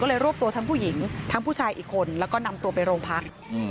ก็เลยรวบตัวทั้งผู้หญิงทั้งผู้ชายอีกคนแล้วก็นำตัวไปโรงพัก